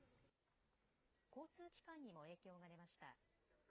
交通機関にも影響が出ました。